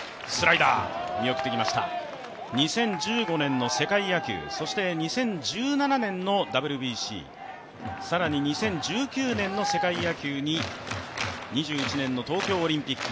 ２０１５年の世界野球、そして２０１７年のＷＢＣ、更に２０１９年の世界野球に２１年の東京オリンピック。